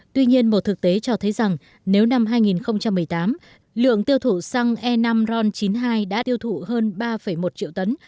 tuy nhiên một thực tế cho thấy rằng nếu năm hai nghìn một mươi tám lượng tiêu thụ xăng e năm ron chín mươi hai đã tiêu thụ hơn ba một triệu tấn